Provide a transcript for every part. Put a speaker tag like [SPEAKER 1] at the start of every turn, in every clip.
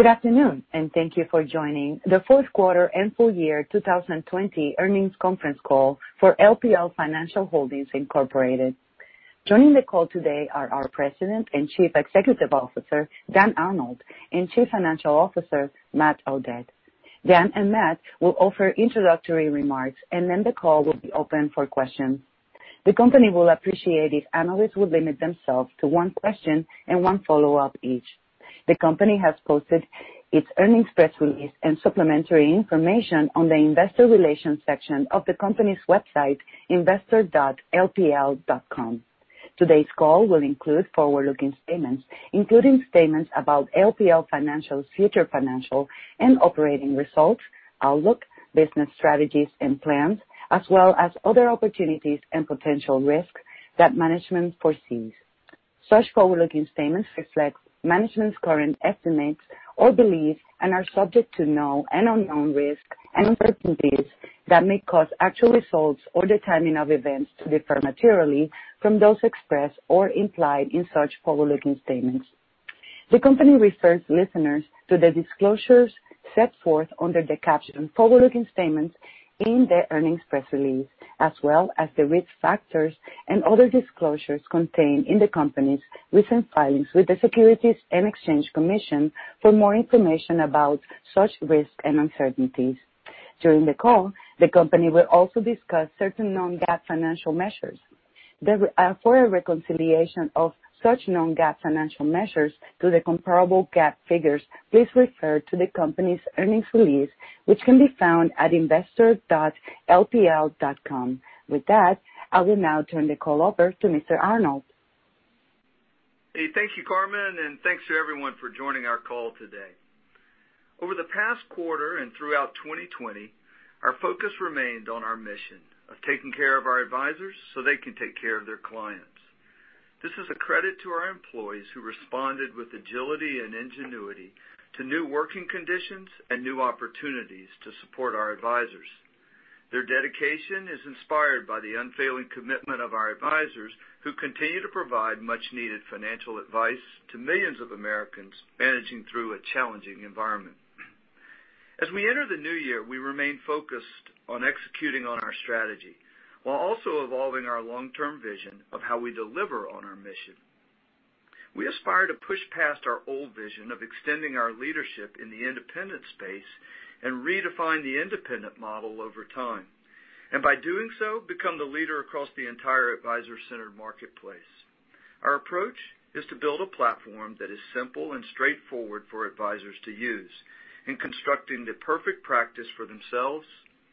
[SPEAKER 1] Good afternoon, and thank you for joining the Fourth Quarter and Full Year 2020 Earnings conference call for LPL Financial Holdings, Incorporated. Joining the call today are our President and Chief Executive Officer, Dan Arnold, and Chief Financial Officer, Matt Audette. Dan and Matt will offer introductory remarks, and then the call will be open for questions. The company will appreciate if analysts would limit themselves to one question and one follow-up each. The company has posted its earnings press release and supplementary information on the investor relations section of the company's website, investor.lpl.com. Today's call will include forward-looking statements, including statements about LPL Financial's future financial and operating results, outlook, business strategies, and plans, as well as other opportunities and potential risks that management foresees. Such forward-looking statements reflect management's current estimates or beliefs and are subject to known and unknown risks and uncertainties that may cause actual results or the timing of events to differ materially from those expressed or implied in such forward-looking statements. The company refers listeners to the disclosures set forth under the captioned forward-looking statements in the earnings press release, as well as the risk factors and other disclosures contained in the company's recent filings with the Securities and Exchange Commission for more information about such risks and uncertainties. During the call, the company will also discuss certain non-GAAP financial measures. For a reconciliation of such non-GAAP financial measures to the comparable GAAP figures, please refer to the company's earnings release, which can be found at investor.lpl.com. With that, I will now turn the call over to Mr. Arnold.
[SPEAKER 2] Hey, thank you, Carmen, and thanks to everyone for joining our call today. Over the past quarter and throughout 2020, our focus remained on our mission of taking care of our advisors so they can take care of their clients. This is a credit to our employees who responded with agility and ingenuity to new working conditions and new opportunities to support our advisors. Their dedication is inspired by the unfailing commitment of our advisors, who continue to provide much-needed financial advice to millions of Americans managing through a challenging environment. As we enter the new year, we remain focused on executing on our strategy while also evolving our long-term vision of how we deliver on our mission. We aspire to push past our old vision of extending our leadership in the independent space and redefine the independent model over time, and by doing so, become the leader across the entire advisor-centered marketplace. Our approach is to build a platform that is simple and straightforward for advisors to use in constructing the perfect practice for themselves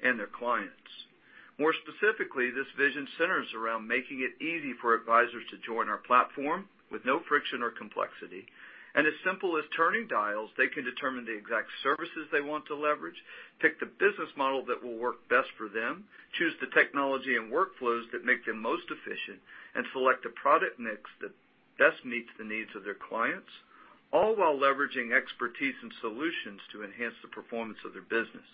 [SPEAKER 2] and their clients. More specifically, this vision centers around making it easy for advisors to join our platform with no friction or complexity, and as simple as turning dials, they can determine the exact services they want to leverage, pick the business model that will work best for them, choose the technology and workflows that make them most efficient, and select a product mix that best meets the needs of their clients, all while leveraging expertise and solutions to enhance the performance of their business.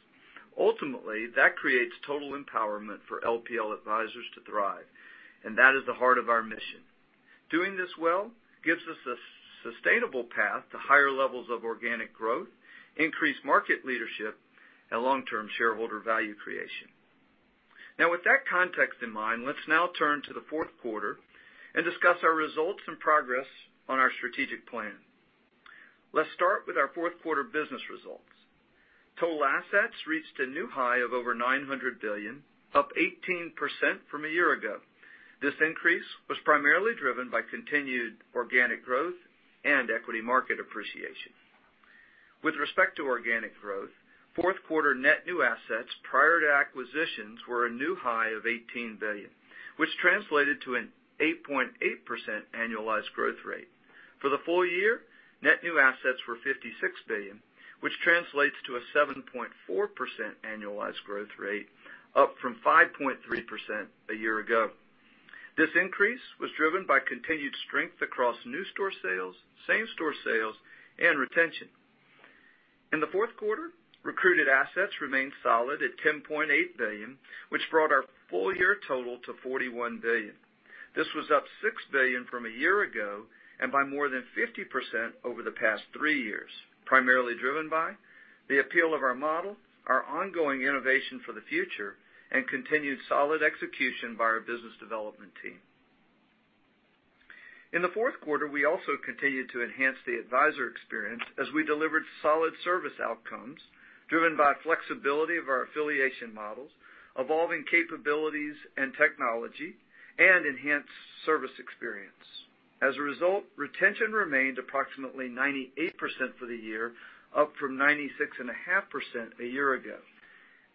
[SPEAKER 2] Ultimately, that creates total empowerment for LPL advisors to thrive, and that is the heart of our mission. Doing this well gives us a sustainable path to higher levels of organic growth, increased market leadership, and long-term shareholder value creation. Now, with that context in mind, let's now turn to the fourth quarter and discuss our results and progress on our strategic plan. Let's start with our fourth quarter business results. Total assets reached a new high of over $900 billion, up 18% from a year ago. This increase was primarily driven by continued organic growth and equity market appreciation. With respect to organic growth, fourth quarter net new assets prior to acquisitions were a new high of $18 billion, which translated to an 8.8% annualized growth rate. For the full year, net new assets were $56 billion, which translates to a 7.4% annualized growth rate, up from 5.3% a year ago. This increase was driven by continued strength across new store sales, same store sales, and retention. In the fourth quarter, recruited assets remained solid at $10.8 billion, which brought our full year total to $41 billion. This was up $6 billion from a year ago and by more than 50% over the past three years, primarily driven by the appeal of our model, our ongoing innovation for the future, and continued solid execution by our business development team. In the fourth quarter, we also continued to enhance the advisor experience as we delivered solid service outcomes driven by flexibility of our affiliation models, evolving capabilities and technology, and enhanced service experience. As a result, retention remained approximately 98% for the year, up from 96.5% a year ago,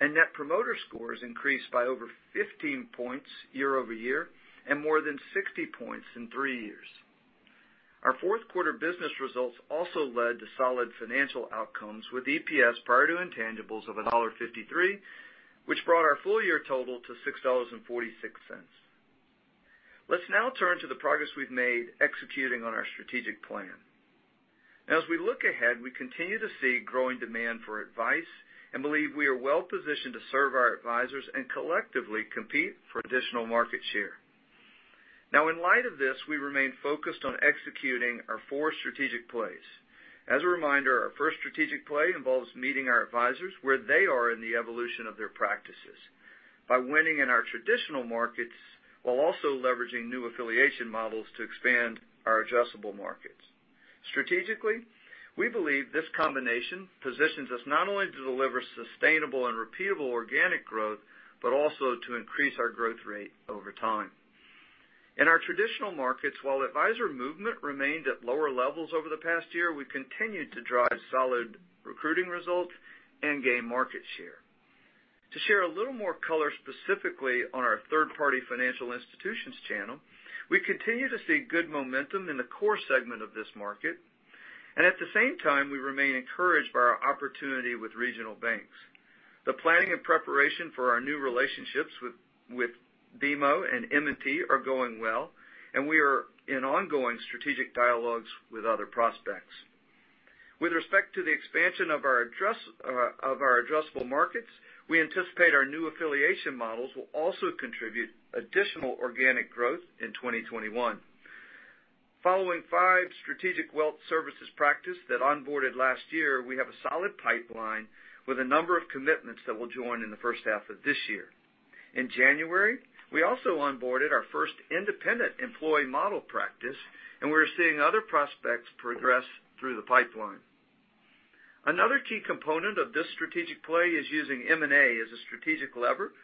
[SPEAKER 2] and Net Promoter Scores increased by over 15 points year-over-year and more than 60 points in three years. Our fourth quarter business results also led to solid financial outcomes with EPS prior to intangibles of $1.53, which brought our full year total to $6.46. Let's now turn to the progress we've made executing on our strategic plan. As we look ahead, we continue to see growing demand for advice and believe we are well positioned to serve our advisors and collectively compete for additional market share. Now, in light of this, we remain focused on executing our four strategic plays. As a reminder, our first strategic play involves meeting our advisors where they are in the evolution of their practices by winning in our traditional markets while also leveraging new affiliation models to expand our addressable markets. Strategically, we believe this combination positions us not only to deliver sustainable and repeatable organic growth but also to increase our growth rate over time. In our traditional markets, while advisor movement remained at lower levels over the past year, we continued to drive solid recruiting results and gain market share. To share a little more color specifically on our third-party financial institutions channel, we continue to see good momentum in the core segment of this market, and at the same time, we remain encouraged by our opportunity with regional banks. The planning and preparation for our new relationships with BMO and M&T are going well, and we are in ongoing strategic dialogues with other prospects. With respect to the expansion of our addressable markets, we anticipate our new affiliation models will also contribute additional organic growth in 2021. Following five Strategic Wealth Services practices that onboarded last year, we have a solid pipeline with a number of commitments that will join in the first half of this year. In January, we also onboarded our first Independent Employee Model practice, and we are seeing other prospects progress through the pipeline. Another key component of this strategic play is using M&A as a strategic lever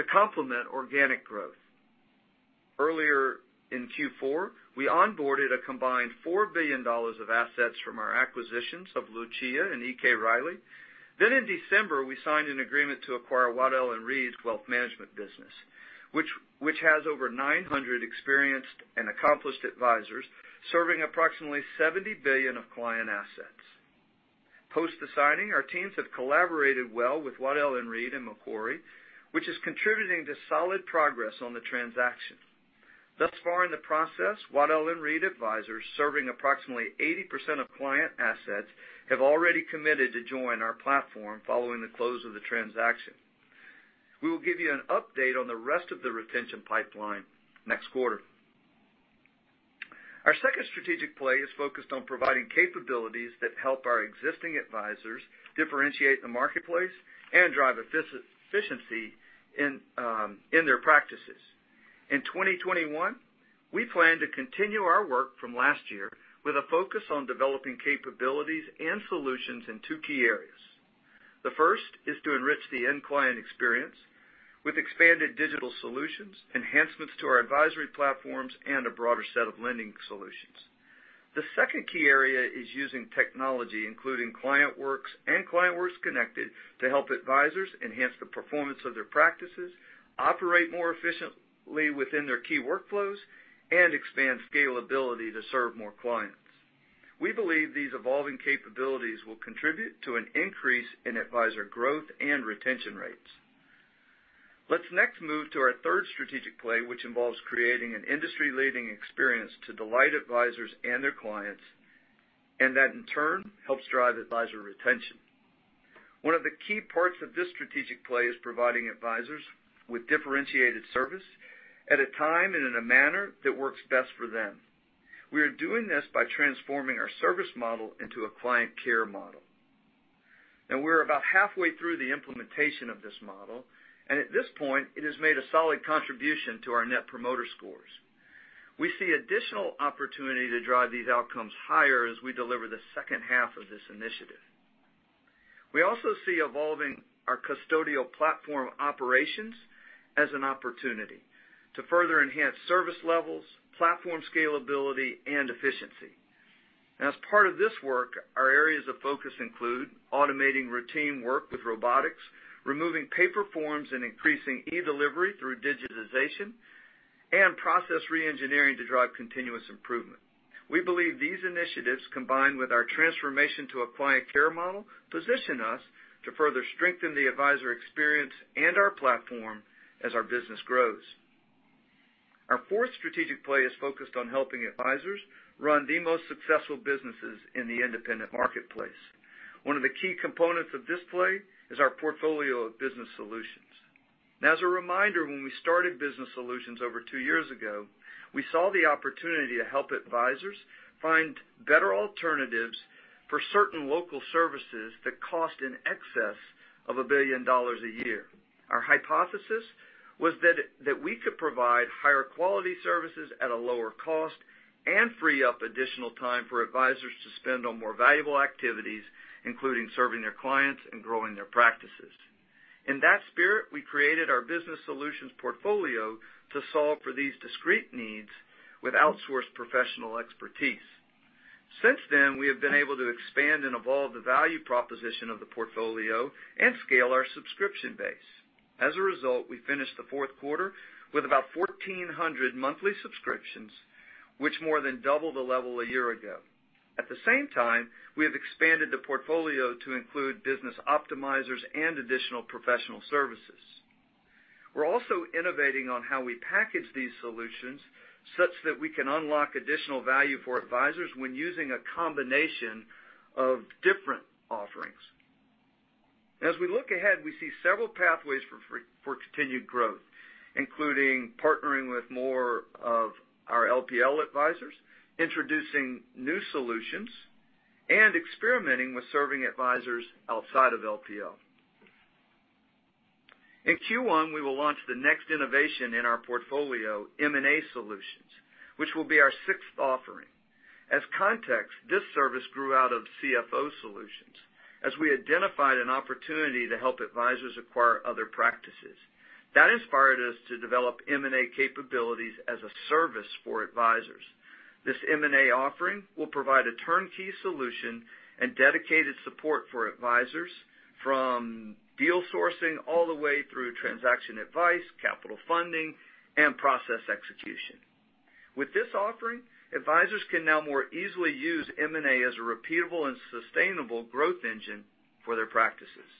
[SPEAKER 2] to complement organic growth. Earlier in Q4, we onboarded a combined $4 billion of assets from our acquisitions of Lucia and E.K. Riley. Then, in December, we signed an agreement to acquire Waddell & Reed Wealth Management Business, which has over 900 experienced and accomplished advisors serving approximately $70 billion of client assets. Post the signing, our teams have collaborated well with Waddell & Reed and Macquarie, which is contributing to solid progress on the transaction. Thus far, in the process, Waddell & Reed advisors serving approximately 80% of client assets have already committed to join our platform following the close of the transaction. We will give you an update on the rest of the retention pipeline next quarter. Our second strategic play is focused on providing capabilities that help our existing advisors differentiate in the marketplace and drive efficiency in their practices. In 2021, we plan to continue our work from last year with a focus on developing capabilities and solutions in two key areas. The first is to enrich the end client experience with expanded digital solutions, enhancements to our advisory platforms, and a broader set of lending solutions. The second key area is using technology, including ClientWorks and ClientWorks Connected, to help advisors enhance the performance of their practices, operate more efficiently within their key workflows, and expand scalability to serve more clients. We believe these evolving capabilities will contribute to an increase in advisor growth and retention rates. Let's next move to our third strategic play, which involves creating an industry-leading experience to delight advisors and their clients, and that, in turn, helps drive advisor retention. One of the key parts of this strategic play is providing advisors with differentiated service at a time and in a manner that works best for them. We are doing this by transforming our service model into a client care model. Now, we're about halfway through the implementation of this model, and at this point, it has made a solid contribution to our Net Promoter Scores. We see additional opportunity to drive these outcomes higher as we deliver the second half of this initiative. We also see evolving our custodial platform operations as an opportunity to further enhance service levels, platform scalability, and efficiency. As part of this work, our areas of focus include automating routine work with robotics, removing paper forms, and increasing e-delivery through digitization and process re-engineering to drive continuous improvement. We believe these initiatives, combined with our transformation to a client care model, position us to further strengthen the advisor experience and our platform as our business grows. Our fourth strategic play is focused on helping advisors run the most successful businesses in the independent marketplace. One of the key components of this play is our portfolio of Business Solutions. Now, as a reminder, when we started Business Solutions over two years ago, we saw the opportunity to help advisors find better alternatives for certain local services that cost in excess of $1 billion a year. Our hypothesis was that we could provide higher quality services at a lower cost and free up additional time for advisors to spend on more valuable activities, including serving their clients and growing their practices. In that spirit, we created our Business Solutions portfolio to solve for these discrete needs with outsourced professional expertise. Since then, we have been able to expand and evolve the value proposition of the portfolio and scale our subscription base. As a result, we finished the fourth quarter with about 1,400 monthly subscriptions, which more than doubled the level a year ago. At the same time, we have expanded the portfolio to include business optimizers and additional professional services. We're also innovating on how we package these solutions such that we can unlock additional value for advisors when using a combination of different offerings. As we look ahead, we see several pathways for continued growth, including partnering with more of our LPL advisors, introducing new solutions, and experimenting with serving advisors outside of LPL. In Q1, we will launch the next innovation in our portfolio, M&A Solutions, which will be our sixth offering. As context, this service grew out of CFO Solutions as we identified an opportunity to help advisors acquire other practices. That inspired us to develop M&A capabilities as a service for advisors. This M&A offering will provide a turnkey solution and dedicated support for advisors from deal sourcing all the way through transaction advice, capital funding, and process execution. With this offering, advisors can now more easily use M&A as a repeatable and sustainable growth engine for their practices.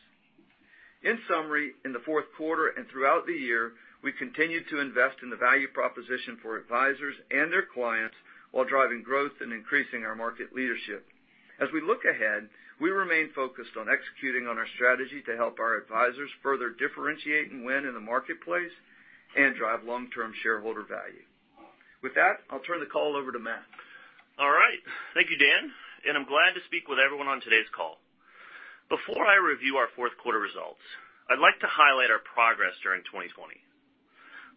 [SPEAKER 2] In summary, in the fourth quarter and throughout the year, we continue to invest in the value proposition for advisors and their clients while driving growth and increasing our market leadership. As we look ahead, we remain focused on executing on our strategy to help our advisors further differentiate and win in the marketplace and drive long-term shareholder value. With that, I'll turn the call over to Matt.
[SPEAKER 3] All right. Thank you, Dan. And I'm glad to speak with everyone on today's call. Before I review our fourth quarter results, I'd like to highlight our progress during 2020.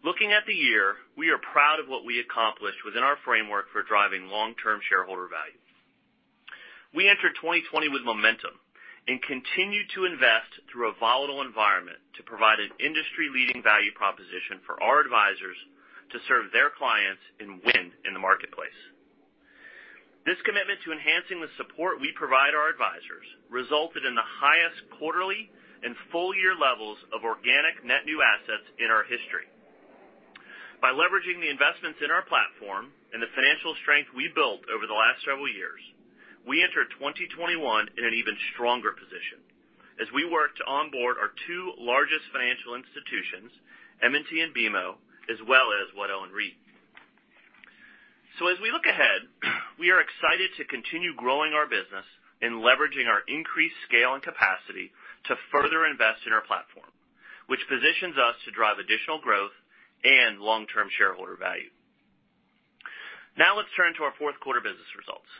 [SPEAKER 3] Looking at the year, we are proud of what we accomplished within our framework for driving long-term shareholder value. We entered 2020 with momentum and continued to invest through a volatile environment to provide an industry-leading value proposition for our advisors to serve their clients and win in the marketplace. This commitment to enhancing the support we provide our advisors resulted in the highest quarterly and full-year levels of organic net new assets in our history. By leveraging the investments in our platform and the financial strength we built over the last several years, we entered 2021 in an even stronger position as we worked to onboard our two largest financial institutions, M&T and BMO, as well as Waddell & Reed. So as we look ahead, we are excited to continue growing our business and leveraging our increased scale and capacity to further invest in our platform, which positions us to drive additional growth and long-term shareholder value. Now, let's turn to our fourth quarter business results.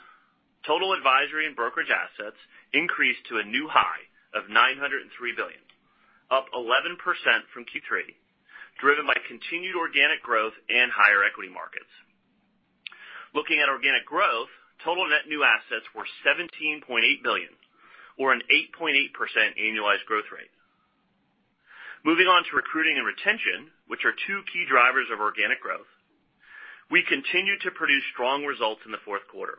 [SPEAKER 3] Total advisory and brokerage assets increased to a new high of $903 billion, up 11% from Q3, driven by continued organic growth and higher equity markets. Looking at organic growth, total net new assets were $17.8 billion, or an 8.8% annualized growth rate. Moving on to recruiting and retention, which are two key drivers of organic growth, we continued to produce strong results in the fourth quarter.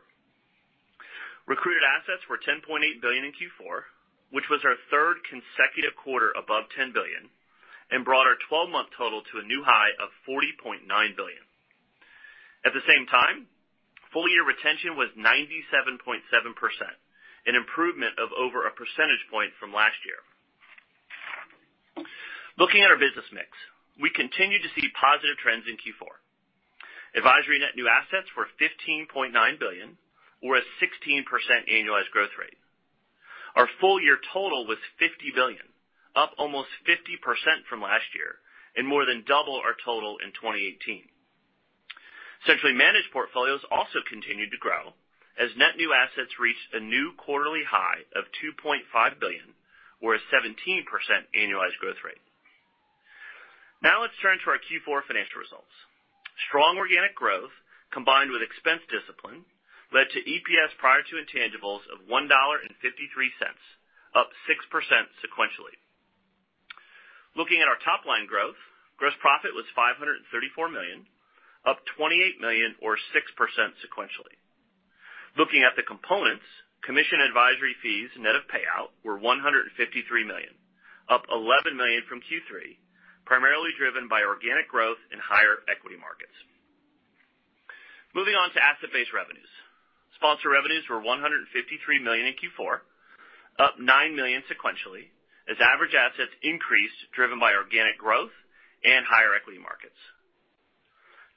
[SPEAKER 3] Recruited assets were $10.8 billion in Q4, which was our third consecutive quarter above $10 billion, and brought our 12-month total to a new high of $40.9 billion. At the same time, full-year retention was 97.7%, an improvement of over a percentage point from last year. Looking at our business mix, we continue to see positive trends in Q4. Advisory net new assets were $15.9 billion, or a 16% annualized growth rate. Our full-year total was $50 billion, up almost 50% from last year and more than double our total in 2018. Centrally managed portfolios also continued to grow as net new assets reached a new quarterly high of $2.5 billion, or a 17% annualized growth rate. Now, let's turn to our Q4 financial results. Strong organic growth combined with expense discipline led to EPS prior to intangibles of $1.53, up 6% sequentially. Looking at our top-line growth, gross profit was $534 million, up $28 million, or 6% sequentially. Looking at the components, commission advisory fees net of payout were $153 million, up $11 million from Q3, primarily driven by organic growth and higher equity markets. Moving on to asset-based revenues. Sponsor revenues were $153 million in Q4, up $9 million sequentially as average assets increased driven by organic growth and higher equity markets.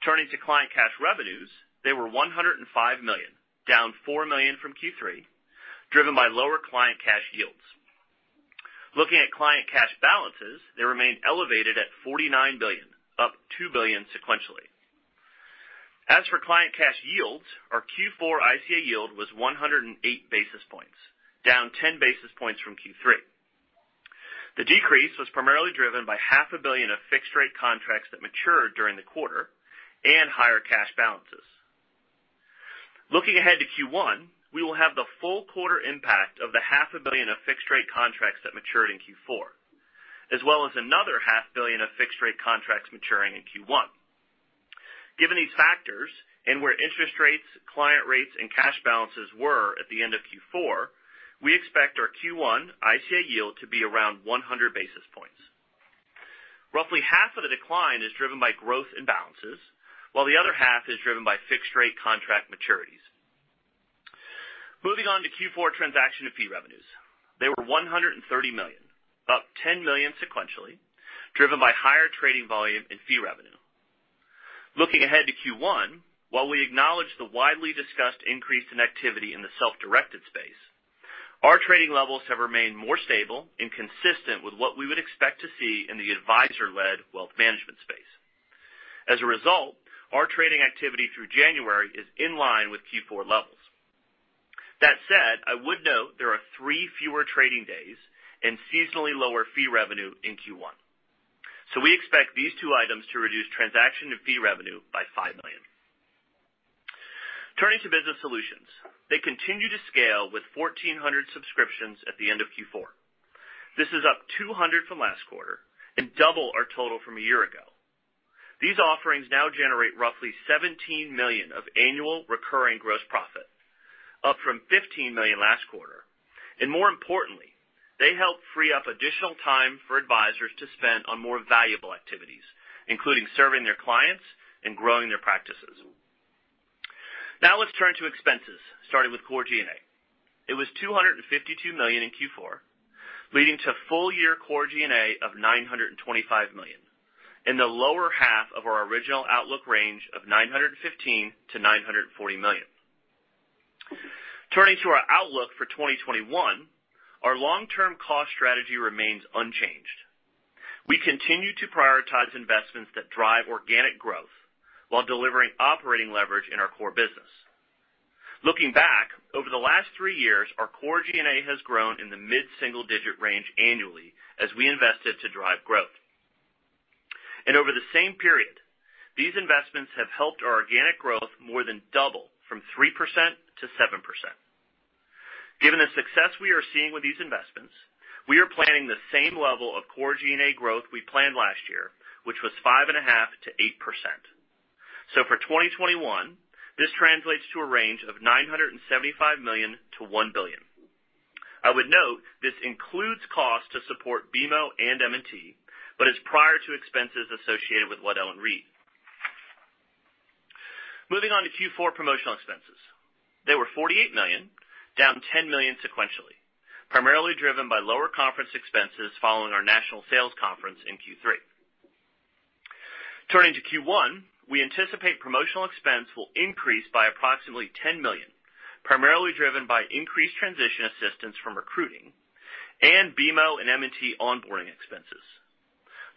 [SPEAKER 3] Turning to client cash revenues, they were $105 million, down $4 million from Q3, driven by lower client cash yields. Looking at client cash balances, they remained elevated at $49 billion, up $2 billion sequentially. As for client cash yields, our Q4 ICA yield was 108 basis points, down 10 basis points from Q3. The decrease was primarily driven by $500 million of fixed-rate contracts that matured during the quarter and higher cash balances. Looking ahead to Q1, we will have the full quarter impact of the $500 million of fixed-rate contracts that matured in Q4, as well as another $500 million of fixed-rate contracts maturing in Q1. Given these factors and where interest rates, client rates, and cash balances were at the end of Q4, we expect our Q1 ICA yield to be around 100 basis points. Roughly half of the decline is driven by growth and balances, while the other half is driven by fixed-rate contract maturities. Moving on to Q4 transaction and fee revenues. They were $130 million, up $10 million sequentially, driven by higher trading volume and fee revenue. Looking ahead to Q1, while we acknowledge the widely discussed increase in activity in the self-directed space, our trading levels have remained more stable and consistent with what we would expect to see in the advisor-led wealth management space. As a result, our trading activity through January is in line with Q4 levels. That said, I would note there are three fewer trading days and seasonally lower fee revenue in Q1. So we expect these two items to reduce transaction and fee revenue by $5 million. Turning to Business Solutions, they continue to scale with 1,400 subscriptions at the end of Q4. This is up 200 subscriptions from last quarter and double our total from a year ago. These offerings now generate roughly $17 million of annual recurring gross profit, up from $15 million last quarter, and more importantly, they help free up additional time for advisors to spend on more valuable activities, including serving their clients and growing their practices. Now, let's turn to expenses, starting with Core G&A. It was $252 million in Q4, leading to full-year Core G&A of $925 million and the lower half of our original outlook range of $915 million-$940 million. Turning to our outlook for 2021, our long-term cost strategy remains unchanged. We continue to prioritize investments that drive organic growth while delivering operating leverage in our core business. Looking back, over the last three years, our Core G&A has grown in the mid-single-digit range annually as we invested to drive growth. Over the same period, these investments have helped our organic growth more than double from 3%-7%. Given the success we are seeing with these investments, we are planning the same level of Core G&A growth we planned last year, which was 5.5%-8%. So for 2021, this translates to a range of $975 million-$1 billion. I would note this includes costs to support BMO and M&T, but it's prior to expenses associated with Waddell & Reed. Moving on to Q4 promotional expenses. They were $48 million, down $10 million sequentially, primarily driven by lower conference expenses following our national sales conference in Q3. Turning to Q1, we anticipate promotional expense will increase by approximately $10 million, primarily driven by increased transition assistance from recruiting and BMO and M&T onboarding expenses.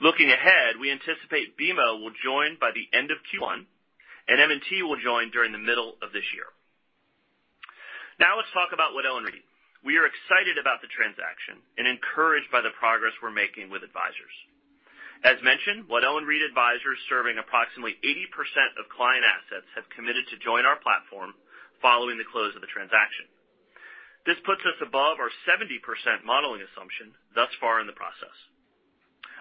[SPEAKER 3] Looking ahead, we anticipate BMO will join by the end of Q1, and M&T will join during the middle of this year. Now, let's talk about Waddell & Reed. We are excited about the transaction and encouraged by the progress we're making with advisors. As mentioned, Waddell & Reed advisors serving approximately 80% of client assets have committed to join our platform following the close of the transaction. This puts us above our 70% modeling assumption thus far in the process.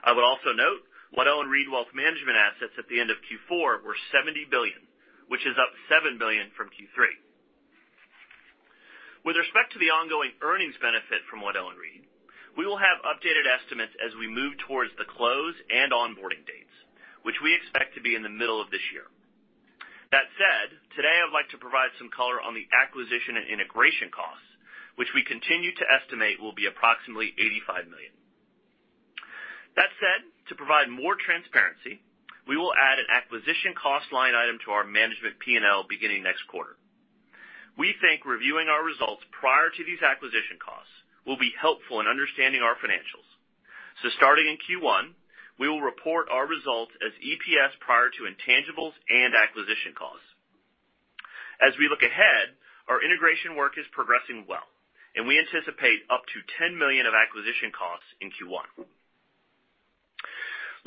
[SPEAKER 3] I would also note Waddell & Reed wealth management assets at the end of Q4 were $70 billion, which is up $7 billion from Q3. With respect to the ongoing earnings benefit from Waddell & Reed, we will have updated estimates as we move towards the close and onboarding dates, which we expect to be in the middle of this year. That said, today, I would like to provide some color on the acquisition and integration costs, which we continue to estimate will be approximately $85 million. That said, to provide more transparency, we will add an acquisition cost line item to our management P&L beginning next quarter. We think reviewing our results prior to these acquisition costs will be helpful in understanding our financials. So starting in Q1, we will report our results as EPS prior to intangibles and acquisition costs. As we look ahead, our integration work is progressing well, and we anticipate up to $10 million of acquisition costs in Q1.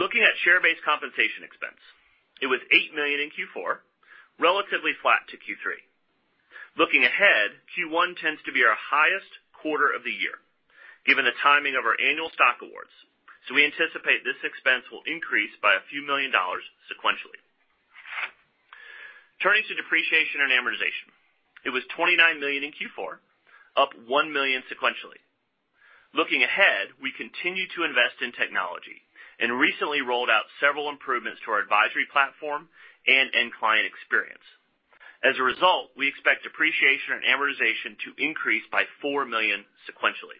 [SPEAKER 3] Looking at share-based compensation expense, it was $8 million in Q4, relatively flat to Q3. Looking ahead, Q1 tends to be our highest quarter of the year given the timing of our annual stock awards, so we anticipate this expense will increase by a few million dollars sequentially. Turning to depreciation and amortization, it was $29 million in Q4, up $1 million sequentially. Looking ahead, we continue to invest in technology and recently rolled out several improvements to our advisory platform and end-client experience. As a result, we expect depreciation and amortization to increase by $4 million sequentially.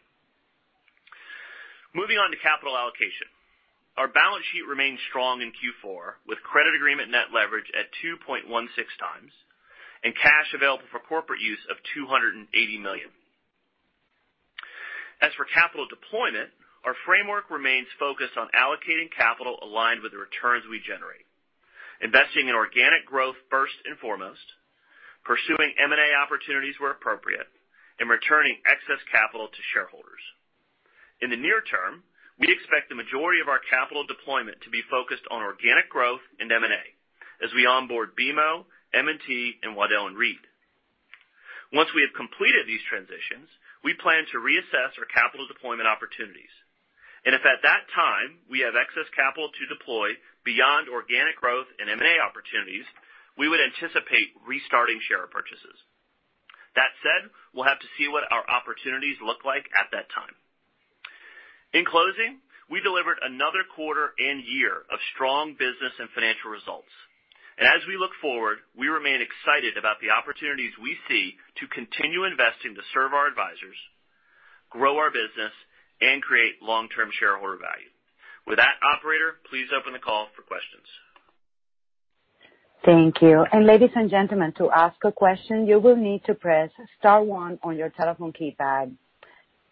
[SPEAKER 3] Moving on to capital allocation, our balance sheet remained strong in Q4 with credit agreement net leverage at 2.16x and cash available for corporate use of $280 million. As for capital deployment, our framework remains focused on allocating capital aligned with the returns we generate, investing in organic growth first and foremost, pursuing M&A opportunities where appropriate, and returning excess capital to shareholders. In the near term, we expect the majority of our capital deployment to be focused on organic growth and M&A as we onboard BMO, M&T, and Waddell & Reed. Once we have completed these transitions, we plan to reassess our capital deployment opportunities, and if at that time we have excess capital to deploy beyond organic growth and M&A opportunities, we would anticipate restarting share purchases. That said, we'll have to see what our opportunities look like at that time. In closing, we delivered another quarter and year of strong business and financial results, and as we look forward, we remain excited about the opportunities we see to continue investing to serve our advisors, grow our business, and create long-term shareholder value. With that, operator, please open the call for questions.
[SPEAKER 1] Thank you. And ladies and gentlemen, to ask a question, you will need to press star one on your telephone keypad.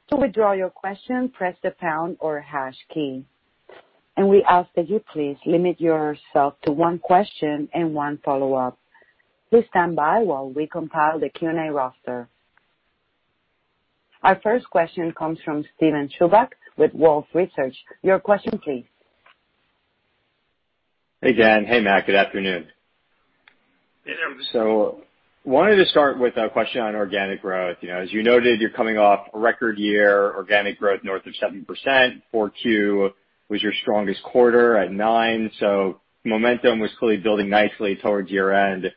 [SPEAKER 1] To withdraw your question, press the pound or hash key. And we ask that you please limit yourself to one question and one follow-up. Please stand by while we compile the Q&A roster. Our first question comes from Steven Chubak with Wolfe Research. Your question, please.
[SPEAKER 4] Hey, Dan. Hey, Matt. Good afternoon.
[SPEAKER 3] Hey, there.
[SPEAKER 4] Wanted to start with a question on organic growth. As you noted, you're coming off a record year. Organic growth north of 7%. Q4 was your strongest quarter at 9%. So momentum was clearly building nicely towards year-end. I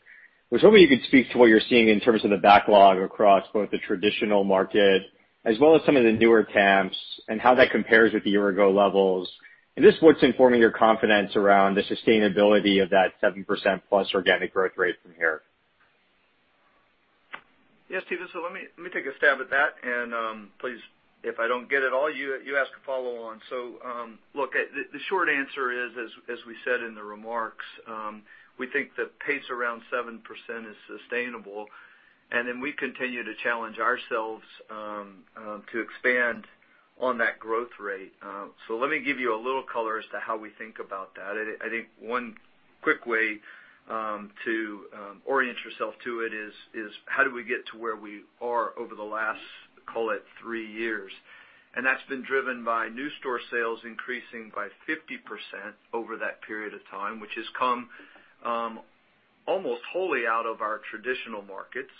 [SPEAKER 4] was hoping you could speak to what you're seeing in terms of the backlog across both the traditional market as well as some of the newer camps and how that compares with the year-ago levels. And this is what's informing your confidence around the sustainability of that 7%+ organic growth rate from here.
[SPEAKER 2] Yes, Steven. So let me take a stab at that. And please, if I don't get it all, you ask a follow-on. So look, the short answer is, as we said in the remarks, we think the pace around 7% is sustainable. And then we continue to challenge ourselves to expand on that growth rate. So let me give you a little color as to how we think about that. I think one quick way to orient yourself to it is how do we get to where we are over the last, call it, three years? And that's been driven by new store sales increasing by 50% over that period of time, which has come almost wholly out of our traditional markets.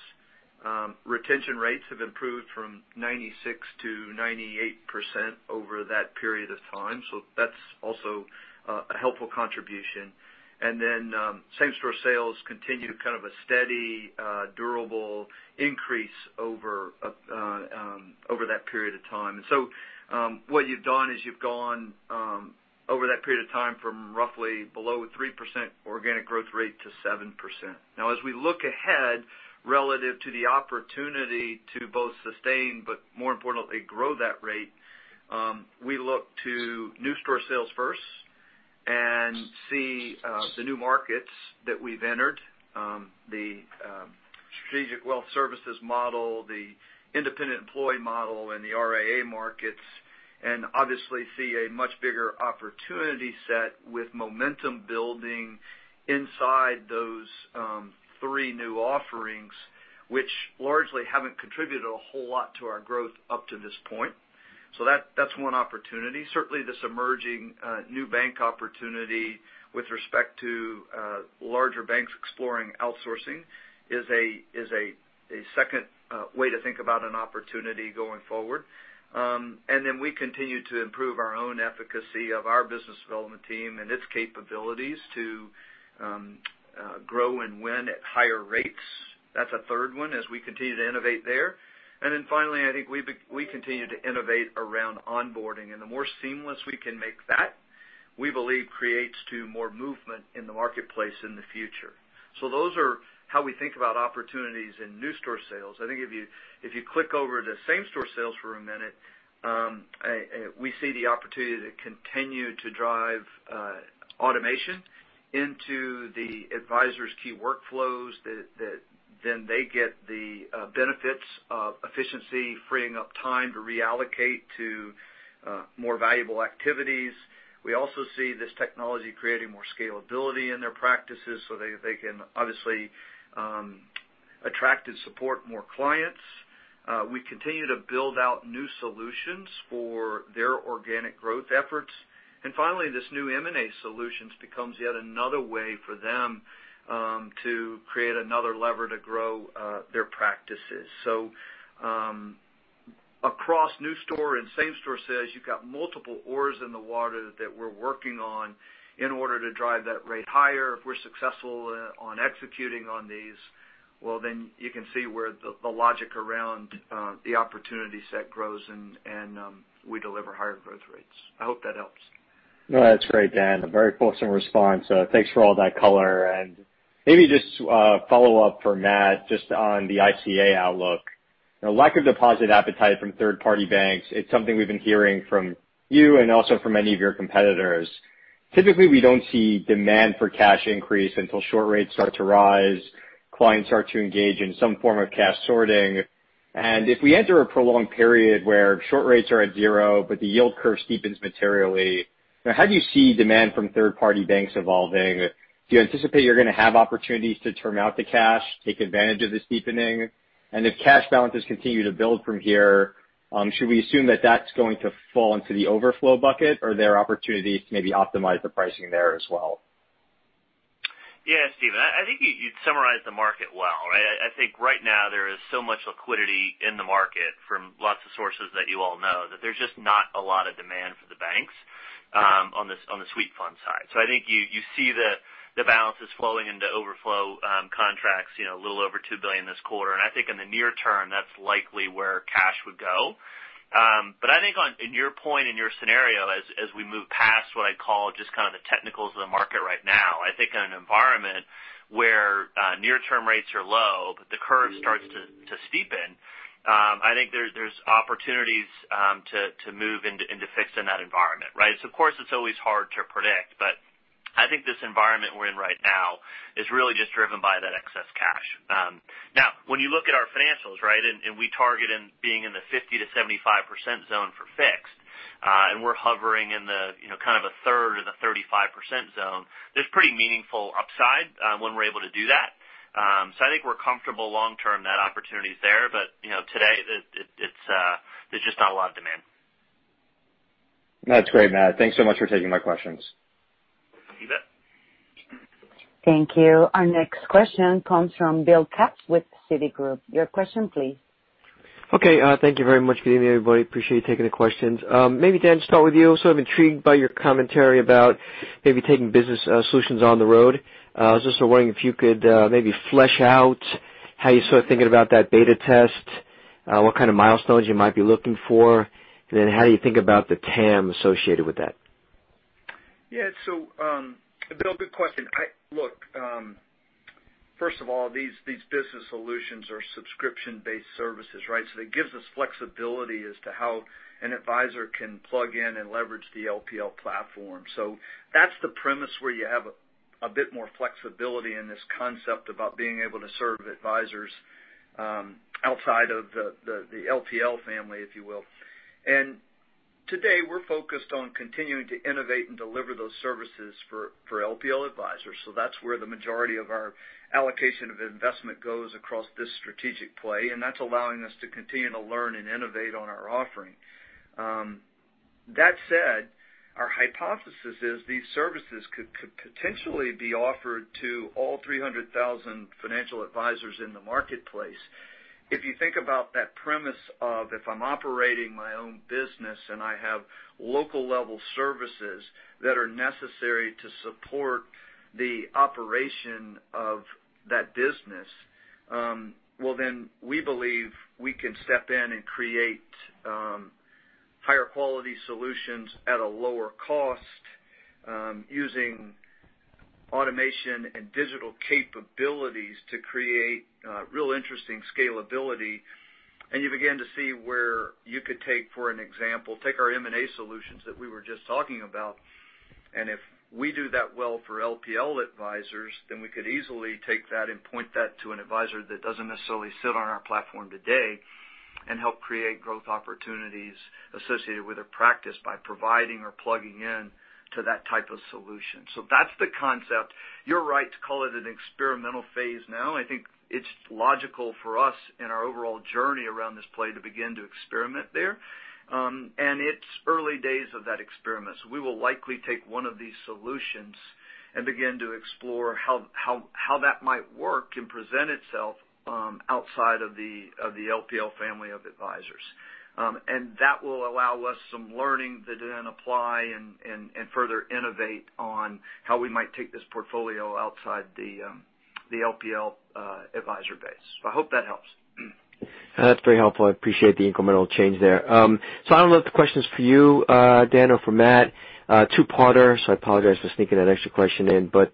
[SPEAKER 2] Retention rates have improved from 96%-98% over that period of time. So that's also a helpful contribution. Then same-store sales continue kind of a steady, durable increase over that period of time. So what you've done is you've gone over that period of time from roughly below 3% organic growth rate to 7%. Now, as we look ahead relative to the opportunity to both sustain, but more importantly, grow that rate, we look to new store sales first and see the new markets that we've entered, the Strategic Wealth Services model, the Independent Employee Model, and the RIA markets, and obviously see a much bigger opportunity set with momentum building inside those three new offerings, which largely haven't contributed a whole lot to our growth up to this point. So that's one opportunity. Certainly, this emerging new bank opportunity with respect to larger banks exploring outsourcing is a second way to think about an opportunity going forward. And then we continue to improve our own efficacy of our business development team and its capabilities to grow and win at higher rates. That's a third one as we continue to innovate there. And then finally, I think we continue to innovate around onboarding. And the more seamless we can make that, we believe creates more movement in the marketplace in the future. So those are how we think about opportunities in new store sales. I think if you click over to same-store sales for a minute, we see the opportunity to continue to drive automation into the advisors' key workflows, that then they get the benefits of efficiency, freeing up time to reallocate to more valuable activities. We also see this technology creating more scalability in their practices so they can obviously attract and support more clients. We continue to build out new solutions for their organic growth efforts, and finally, this new M&A Solutions becomes yet another way for them to create another lever to grow their practices, so across new store and same-store sales, you've got multiple oars in the water that we're working on in order to drive that rate higher. If we're successful on executing on these, well, then you can see where the logic around the opportunity set grows and we deliver higher growth rates. I hope that helps.
[SPEAKER 4] No, that's great, Dan. A very fulsome response. Thanks for all that color. And maybe just follow-up for Matt, just on the ICA outlook. Lack of deposit appetite from third-party banks, it's something we've been hearing from you and also from many of your competitors. Typically, we don't see demand for cash increase until short rates start to rise, clients start to engage in some form of cash sorting. And if we enter a prolonged period where short rates are at zero, but the yield curve steepens materially, how do you see demand from third-party banks evolving? Do you anticipate you're going to have opportunities to turn out the cash, take advantage of this deepening? And if cash balances continue to build from here, should we assume that that's going to fall into the overflow bucket, or are there opportunities to maybe optimize the pricing there as well?
[SPEAKER 3] Yeah, Steven. I think you'd summarize the market well, right? I think right now there is so much liquidity in the market from lots of sources that you all know that there's just not a lot of demand for the banks on the sweep fund side. So I think you see the balances flowing into overflow contracts, a little over $2 billion this quarter. And I think in the near term, that's likely where cash would go. But I think in your point, in your scenario, as we move past what I'd call just kind of the technicals of the market right now, I think in an environment where near-term rates are low, but the curve starts to steepen, I think there's opportunities to move into fixed in that environment, right? So of course, it's always hard to predict. But I think this environment we're in right now is really just driven by that excess cash. Now, when you look at our financials, right, and we target in being in the 50%-75% zone for fixed, and we're hovering in the kind of a third of the 35% zone, there's pretty meaningful upside when we're able to do that. So I think we're comfortable long-term, that opportunity is there. But today, there's just not a lot of demand.
[SPEAKER 4] That's great, Matt. Thanks so much for taking my questions.
[SPEAKER 3] Thank you.
[SPEAKER 1] Thank you. Our next question comes from Bill Katz with Citigroup. Your question, please.
[SPEAKER 5] Okay. Thank you very much for getting to me, everybody. Appreciate you taking the questions. Maybe, Dan, to start with you, sort of intrigued by your commentary about maybe taking Business Solutions on the road. I was just wondering if you could maybe flesh out how you're sort of thinking about that beta test, what kind of milestones you might be looking for, and then how do you think about the TAM associated with that?
[SPEAKER 2] Yeah, so Bill, good question. Look, first of all, these Business Solutions are subscription-based services, right, so that gives us flexibility as to how an advisor can plug in and leverage the LPL platform, so that's the premise where you have a bit more flexibility in this concept about being able to serve advisors outside of the LPL family, if you will, and today, we're focused on continuing to innovate and deliver those services for LPL advisors, so that's where the majority of our allocation of investment goes across this strategic play, and that's allowing us to continue to learn and innovate on our offering. That said, our hypothesis is these services could potentially be offered to all 300,000 financial advisors in the marketplace. If you think about that premise of if I'm operating my own business and I have local-level services that are necessary to support the operation of that business, well, then we believe we can step in and create higher-quality solutions at a lower cost using automation and digital capabilities to create real interesting scalability. And you begin to see where you could take, for an example, take our M&A Solutions that we were just talking about. And if we do that well for LPL advisors, then we could easily take that and point that to an advisor that doesn't necessarily sit on our platform today and help create growth opportunities associated with a practice by providing or plugging in to that type of solution. So that's the concept. You're right to call it an experimental phase now. I think it's logical for us in our overall journey around this play to begin to experiment there. And it's early days of that experiment. So we will likely take one of these solutions and begin to explore how that might work and present itself outside of the LPL family of advisors. And that will allow us some learning that then apply and further innovate on how we might take this portfolio outside the LPL advisor base. So I hope that helps.
[SPEAKER 5] That's very helpful. I appreciate the incremental change there. So I don't know if the question's for you, Dan, or for Matt. Two-parter, so I apologize for sneaking that extra question in. But,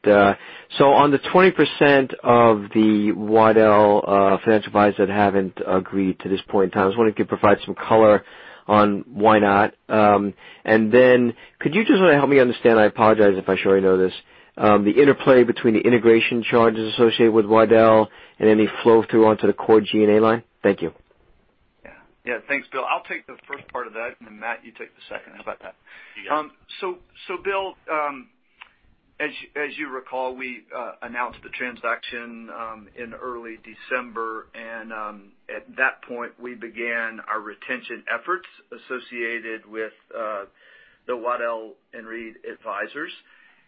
[SPEAKER 5] so, on the 20% of the Waddell Financial advisors that haven't agreed to this point in time, I just wanted to provide some color on why not. And then could you just help me understand, I apologize if I should know this, the interplay between the integration charges associated with Waddell and any flow through onto the Core G&A line? Thank you.
[SPEAKER 2] Yeah. Thanks, Bill. I'll take the first part of that, and then Matt, you take the second. How about that? So, Bill, as you recall, we announced the transaction in early December, and at that point, we began our retention efforts associated with the Waddell & Reed advisors,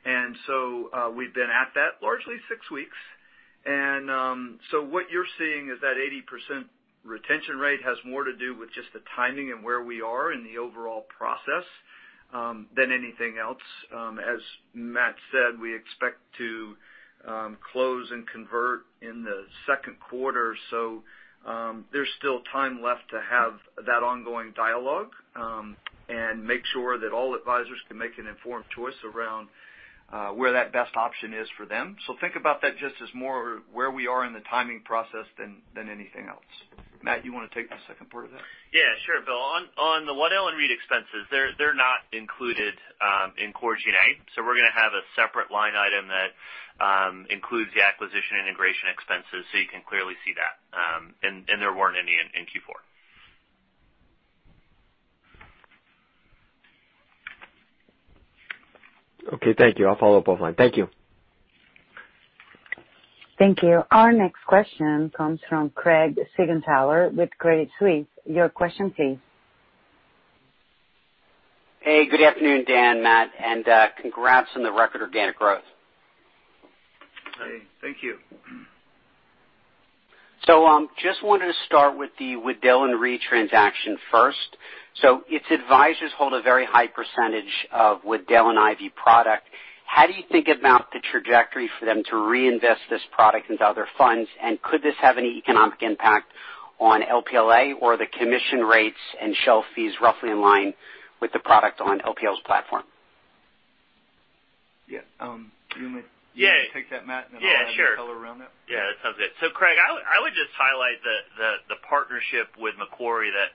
[SPEAKER 2] and so we've been at that largely six weeks, and so what you're seeing is that 80% retention rate has more to do with just the timing and where we are in the overall process than anything else. As Matt said, we expect to close and convert in the second quarter, so there's still time left to have that ongoing dialogue and make sure that all advisors can make an informed choice around where that best option is for them, so think about that just as more where we are in the timing process than anything else. Matt, you want to take the second part of that?
[SPEAKER 3] Yeah. Sure, Bill. On the Waddell and Reed expenses, they're not included in Core G&A. So we're going to have a separate line item that includes the acquisition integration expenses so you can clearly see that. And there weren't any in Q4.
[SPEAKER 5] Okay. Thank you. I'll follow up offline. Thank you.
[SPEAKER 1] Thank you. Our next question comes from Craig Siegenthaler with Credit Suisse. Your question, please.
[SPEAKER 6] Hey, good afternoon, Dan, Matt. Congrats on the record organic growth.
[SPEAKER 2] Hey. Thank you.
[SPEAKER 6] Just wanted to start with the Waddell & Reed transaction first. Its advisors hold a very high percentage of Waddell & Reed and Ivy product. How do you think about the trajectory for them to reinvest this product into other funds? And could this have any economic impact on LPLA or the commission rates and share class fees roughly in line with the product on LPL's platform?
[SPEAKER 2] Yeah. You want me to take that, Matt, and then I'll add color around that?
[SPEAKER 3] Yeah. Sure. Yeah. That sounds good. So Craig, I would just highlight the partnership with Macquarie that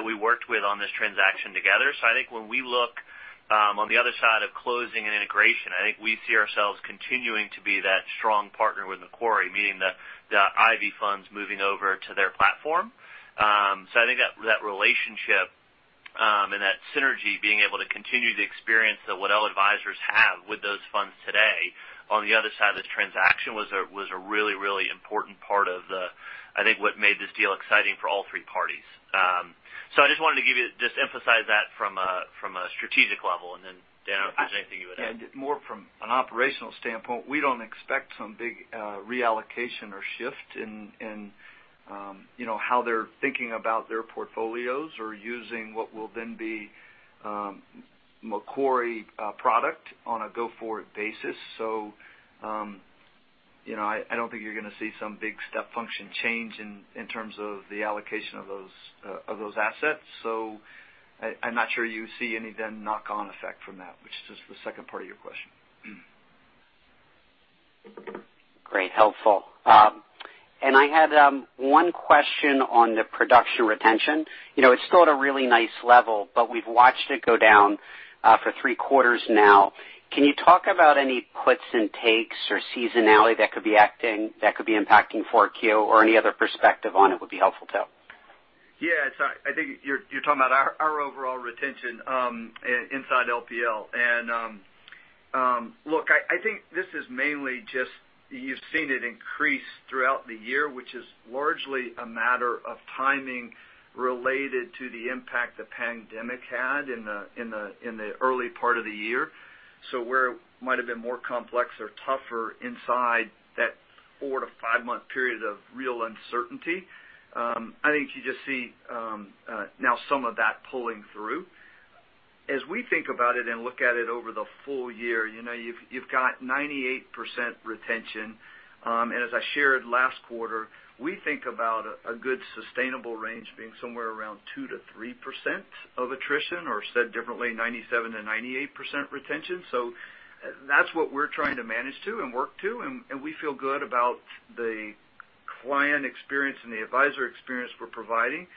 [SPEAKER 3] we worked with on this transaction together. So I think when we look on the other side of closing and integration, I think we see ourselves continuing to be that strong partner with Macquarie, meaning the Ivy Funds moving over to their platform. So I think that relationship and that synergy, being able to continue the experience that Waddell advisors have with those funds today on the other side of this transaction, was a really, really important part of, I think, what made this deal exciting for all three parties. So I just wanted to just emphasize that from a strategic level. And then, Dan, if there's anything you would add.
[SPEAKER 2] More from an operational standpoint, we don't expect some big reallocation or shift in how they're thinking about their portfolios or using what will then be Macquarie product on a go-forward basis. I don't think you're going to see some big step function change in terms of the allocation of those assets. I'm not sure you see any then knock-on effect from that, which is just the second part of your question.
[SPEAKER 6] Great. Helpful. And I had one question on the production retention. It's still at a really nice level, but we've watched it go down for three quarters now. Can you talk about any puts and takes or seasonality that could be impacting 4Q, or any other perspective on it would be helpful to?
[SPEAKER 2] Yeah, so I think you're talking about our overall retention inside LPL. And look, I think this is mainly just you've seen it increase throughout the year, which is largely a matter of timing related to the impact the pandemic had in the early part of the year. So where it might have been more complex or tougher inside that four- to five-month period of real uncertainty, I think you just see now some of that pulling through. As we think about it and look at it over the full year, you've got 98% retention. And as I shared last quarter, we think about a good sustainable range being somewhere around 2%-3% of attrition, or said differently, 97%-98% retention. So that's what we're trying to manage to and work to. And we feel good about the client experience and the advisor experience we're providing.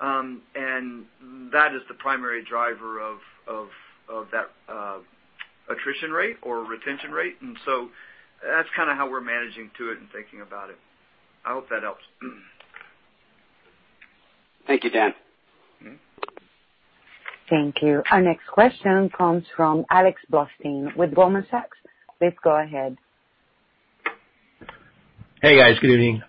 [SPEAKER 2] And that is the primary driver of that attrition rate or retention rate. And so that's kind of how we're managing to it and thinking about it. I hope that helps.
[SPEAKER 6] Thank you, Dan.
[SPEAKER 1] Thank you. Our next question comes from Alex Blostein with Goldman Sachs. Please go ahead.
[SPEAKER 7] Hey, guys. Good evening.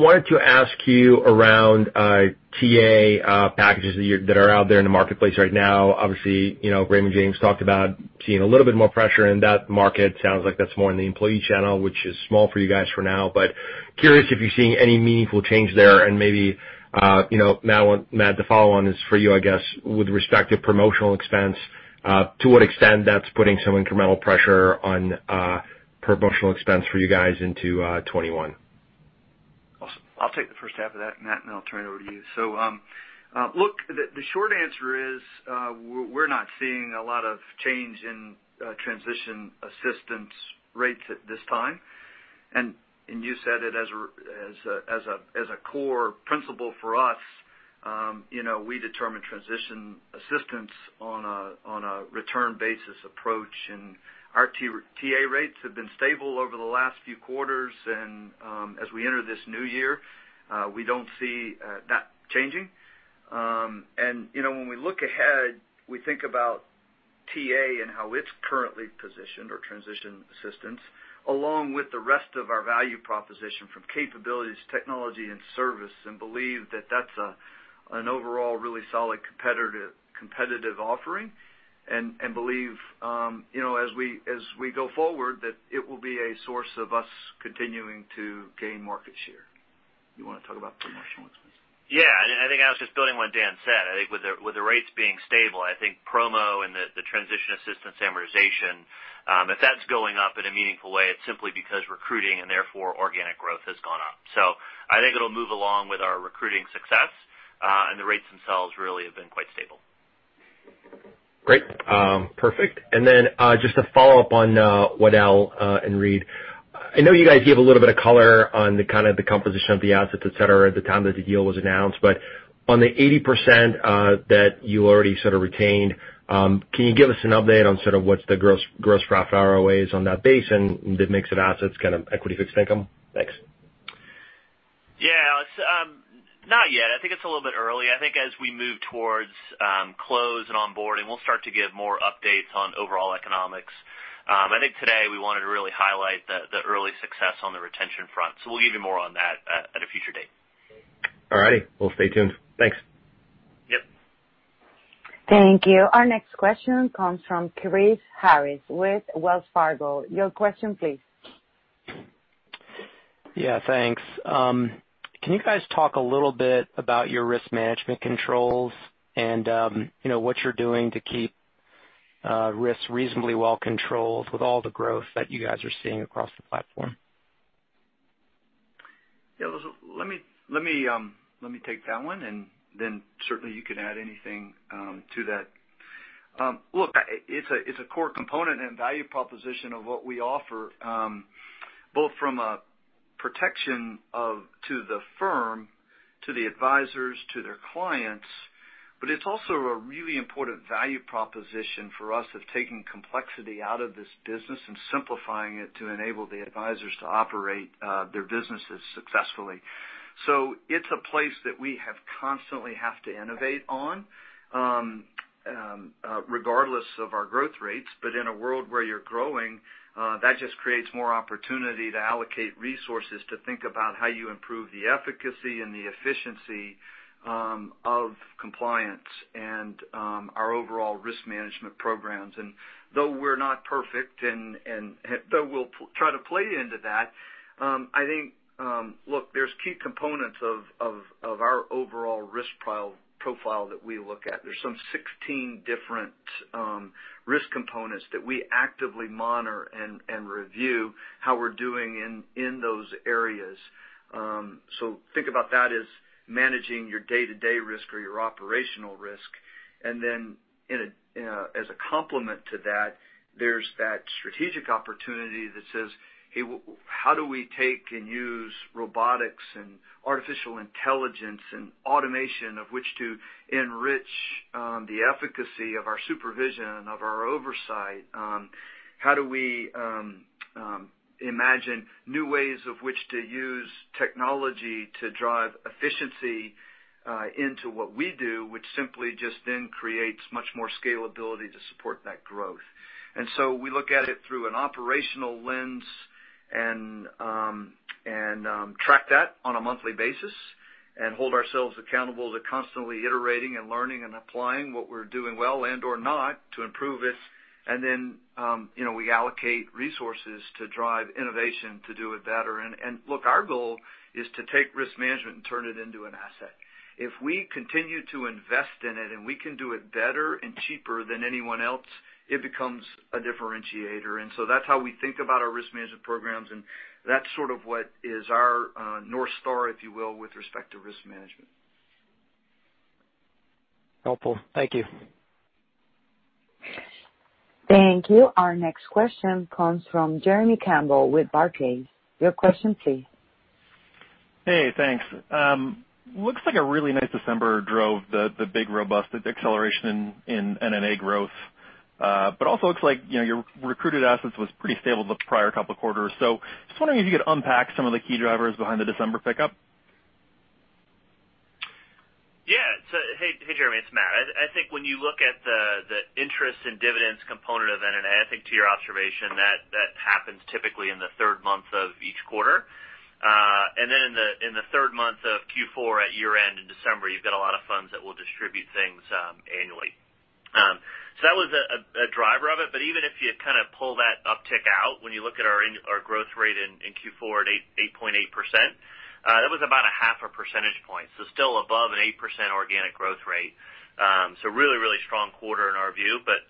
[SPEAKER 7] Wanted to ask you around TA packages that are out there in the marketplace right now. Obviously, Raymond James talked about seeing a little bit more pressure in that market. Sounds like that's more in the employee channel, which is small for you guys for now. But curious if you're seeing any meaningful change there. And maybe, Matt, the follow-on is for you, I guess, with respect to promotional expense, to what extent that's putting some incremental pressure on promotional expense for you guys into 2021.
[SPEAKER 2] Awesome. I'll take the first half of that, Matt, and I'll turn it over to you. So look, the short answer is we're not seeing a lot of change in transition assistance rates at this time. And you said it as a core principle for us. We determine transition assistance on a return basis approach. And our TA rates have been stable over the last few quarters. And as we enter this new year, we don't see that changing. And when we look ahead, we think about TA and how it's currently positioned or transition assistance, along with the rest of our value proposition from capabilities, technology, and service, and believe that that's an overall really solid competitive offering. And believe, as we go forward, that it will be a source of us continuing to gain market share. You want to talk about promotional expenses?
[SPEAKER 3] Yeah, and I think I was just building on what Dan said. I think with the rates being stable, I think promo and the transition assistance amortization, if that's going up in a meaningful way, it's simply because recruiting and therefore organic growth has gone up, so I think it'll move along with our recruiting success, and the rates themselves really have been quite stable.
[SPEAKER 7] Great. Perfect. And then just to follow up on Waddell & Reed, I know you guys gave a little bit of color on kind of the composition of the assets, etc., at the time that the deal was announced. But on the 80% that you already sort of retained, can you give us an update on sort of what's the gross profit ROAs on that base and the mix of assets, kind of equity-fixed income? Thanks.
[SPEAKER 3] Yeah. Not yet. I think it's a little bit early. I think as we move towards close and onboarding, we'll start to give more updates on overall economics. I think today we wanted to really highlight the early success on the retention front. So we'll give you more on that at a future date.
[SPEAKER 7] All righty. Well, stay tuned. Thanks.
[SPEAKER 3] Yep.
[SPEAKER 1] Thank you. Our next question comes from Chris Harris with Wells Fargo. Your question, please.
[SPEAKER 8] Yeah. Thanks. Can you guys talk a little bit about your risk management controls and what you're doing to keep risks reasonably well controlled with all the growth that you guys are seeing across the platform?
[SPEAKER 2] Yeah. Let me take that one. And then certainly, you can add anything to that. Look, it's a core component and value proposition of what we offer, both from a protection to the firm, to the advisors, to their clients. But it's also a really important value proposition for us of taking complexity out of this business and simplifying it to enable the advisors to operate their businesses successfully. So it's a place that we constantly have to innovate on regardless of our growth rates. But in a world where you're growing, that just creates more opportunity to allocate resources to think about how you improve the efficacy and the efficiency of compliance and our overall risk management programs. And though we're not perfect, and though we'll try to play into that, I think, look, there's key components of our overall risk profile that we look at. There's some 16 different risk components that we actively monitor and review how we're doing in those areas. So think about that as managing your day-to-day risk or your operational risk. And then as a complement to that, there's that strategic opportunity that says, "Hey, how do we take and use robotics and artificial intelligence and automation, of which to enrich the efficacy of our supervision, of our oversight? How do we imagine new ways of which to use technology to drive efficiency into what we do, which simply just then creates much more scalability to support that growth?" And so we look at it through an operational lens and track that on a monthly basis and hold ourselves accountable to constantly iterating and learning and applying what we're doing well and/or not to improve it. And then we allocate resources to drive innovation to do it better. And look, our goal is to take risk management and turn it into an asset. If we continue to invest in it and we can do it better and cheaper than anyone else, it becomes a differentiator. And so that's how we think about our risk management programs. And that's sort of what is our North Star, if you will, with respect to risk management.
[SPEAKER 8] Helpful. Thank you.
[SPEAKER 1] Thank you. Our next question comes from Jeremy Campbell with Barclays. Your question, please.
[SPEAKER 9] Hey. Thanks. Looks like a really nice December drove the big robust acceleration in NNA growth. But also looks like your recruited assets was pretty stable the prior couple of quarters. So just wondering if you could unpack some of the key drivers behind the December pickup?
[SPEAKER 3] Yeah. So hey, Jeremy. It's Matt. I think when you look at the interest and dividends component of NNA, I think to your observation, that happens typically in the third month of each quarter. And then in the third month of Q4 at year-end in December, you've got a lot of funds that will distribute things annually. So that was a driver of it. But even if you kind of pull that uptick out, when you look at our growth rate in Q4 at 8.8%, that was about 1/2 a percentage point. So still above an 8% organic growth rate. So really, really strong quarter in our view. But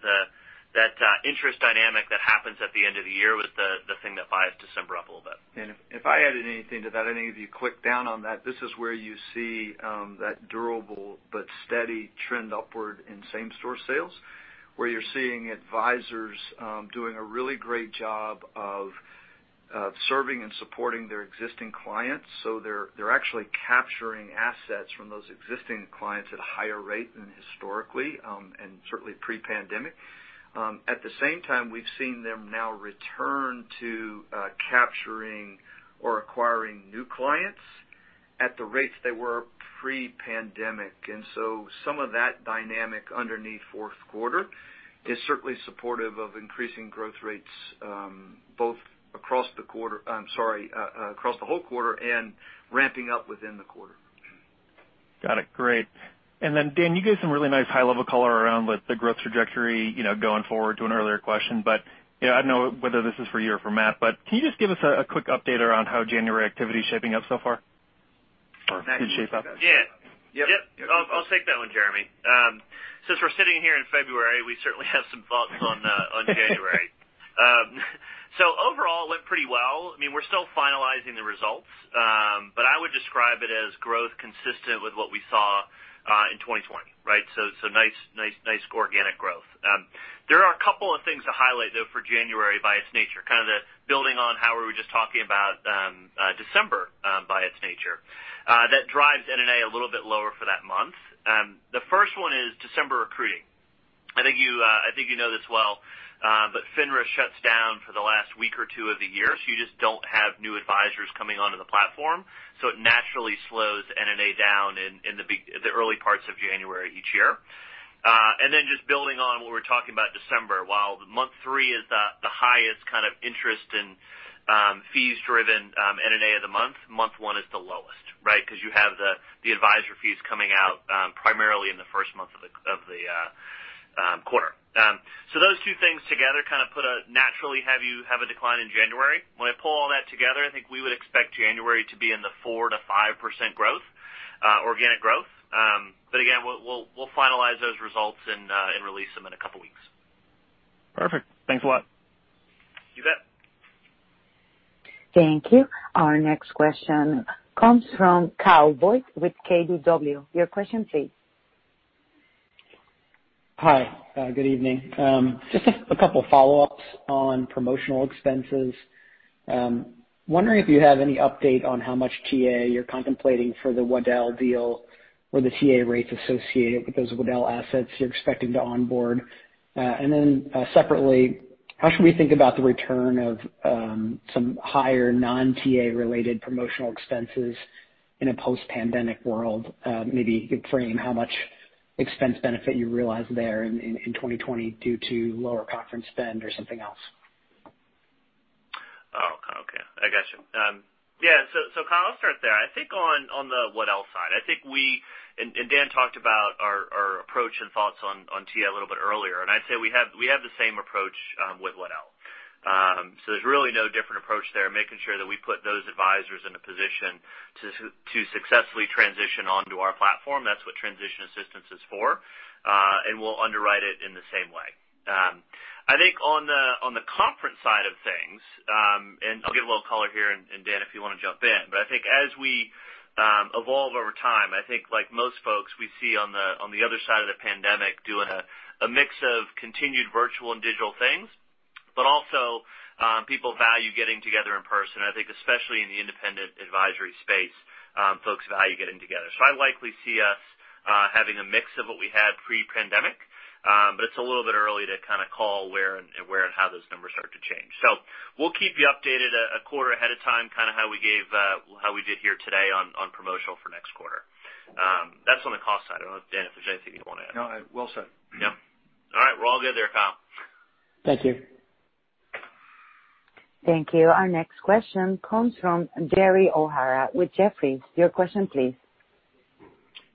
[SPEAKER 3] that interest dynamic that happens at the end of the year was the thing that buoys December up a little bit.
[SPEAKER 2] If I added anything to that, I think if you click down on that, this is where you see that durable but steady trend upward in same-store sales, where you're seeing advisors doing a really great job of serving and supporting their existing clients. So they're actually capturing assets from those existing clients at a higher rate than historically and certainly pre-pandemic. At the same time, we've seen them now return to capturing or acquiring new clients at the rates they were pre-pandemic. And so some of that dynamic underneath fourth quarter is certainly supportive of increasing growth rates both across the quarter, I'm sorry, across the whole quarter, and ramping up within the quarter.
[SPEAKER 9] Got it. Great. And then, Dan, you gave some really nice high-level color around the growth trajectory going forward to an earlier question. But I don't know whether this is for you or for Matt, but can you just give us a quick update around how January activity is shaping up so far?
[SPEAKER 3] Nice.
[SPEAKER 9] Good shape up.
[SPEAKER 3] Yeah. Yep. I'll take that one, Jeremy. Since we're sitting here in February, we certainly have some thoughts on January. So overall, it went pretty well. I mean, we're still finalizing the results. But I would describe it as growth consistent with what we saw in 2020, right? So nice organic growth. There are a couple of things to highlight, though, for January. By its nature, kind of building on how we were just talking about December by its nature, that drives NNA a little bit lower for that month. The first one is December recruiting. I think you know this well, but FINRA shuts down for the last week or two of the year. So you just don't have new advisors coming onto the platform. So it naturally slows NNA down in the early parts of January each year. Then just building on what we were talking about December, while month three is the highest kind of interest and fees-driven NNA of the month, month one is the lowest, right? Because you have the advisor fees coming out primarily in the first month of the quarter. So those two things together kind of naturally have a decline in January. When I pull all that together, I think we would expect January to be in the 4%-5% organic growth. But again, we'll finalize those results and release them in a couple of weeks.
[SPEAKER 9] Perfect. Thanks a lot.
[SPEAKER 3] You bet.
[SPEAKER 1] Thank you. Our next question comes from Kyle Voigt with KBW. Your question, please.
[SPEAKER 10] Hi. Good evening. Just a couple of follow-ups on promotional expenses. Wondering if you have any update on how much TA you're contemplating for the Waddell deal or the TA rates associated with those Waddell assets you're expecting to onboard, and then separately, how should we think about the return of some higher non-TA-related promotional expenses in a post-pandemic world? Maybe you could frame how much expense benefit you realize there in 2020 due to lower conference spend or something else.
[SPEAKER 3] Oh, okay. I gotcha. Yeah. So Kyle, I'll start there. I think on the Waddell side, I think we, and Dan talked about our approach and thoughts on TA a little bit earlier. And I'd say we have the same approach with Waddell. So there's really no different approach there. Making sure that we put those advisors in a position to successfully transition onto our platform. That's what transition assistance is for. And we'll underwrite it in the same way. I think on the conference side of things, and I'll give a little color here and Dan if you want to jump in, but I think as we evolve over time, I think like most folks, we see on the other side of the pandemic doing a mix of continued virtual and digital things, but also people value getting together in person. I think especially in the independent advisory space, folks value getting together. So I likely see us having a mix of what we had pre-pandemic. But it's a little bit early to kind of call where and how those numbers start to change. So we'll keep you updated a quarter ahead of time, kind of how we did here today on promotions for next quarter. That's on the cost side. I don't know, Dan, if there's anything you want to add.
[SPEAKER 2] No, I will say.
[SPEAKER 3] Yep. All right. We're all good there, Kyle.
[SPEAKER 10] Thank you.
[SPEAKER 1] Thank you. Our next question comes from Gerry O'Hara with Jefferies. Your question, please.